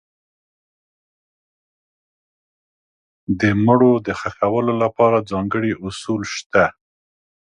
د مړو د ښخولو لپاره ځانګړي اصول شته.